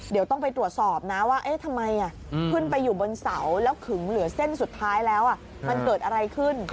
เดี๋ยวต้องไปตรวจสอบนะว่าทำไม